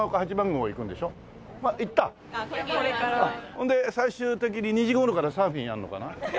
ほんで最終的に２時頃からサーフィンやるのかな？